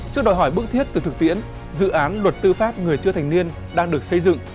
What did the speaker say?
trước đòi hỏi bức thiết từ thực tiễn dự án luật tư pháp người chưa thành niên đang được xây dựng